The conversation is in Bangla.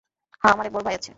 হা, আমার এক বড়ো ভাই আছে।